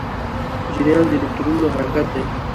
جریان د الکترونونو حرکت دی.